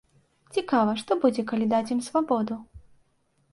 Цікава, што будзе, калі даць ім свабоду?